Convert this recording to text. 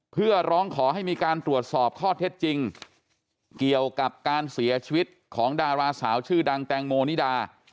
เพื่อร้องขอให้มีการตรวจสอบข้อเท็จจริงเกี่ยวกับการเสียชีวิตของดาราสาวชื่อดังแตงโมนิดา